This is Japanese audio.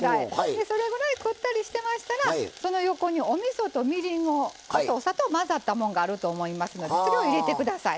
でそれぐらいくったりしてましたらその横におみそとみりんとお砂糖混ざったもんがあると思いますのでそれを入れて下さい。